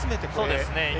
そうですね。